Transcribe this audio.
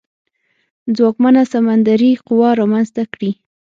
ځواکمنه سمندري قوه رامنځته کړي.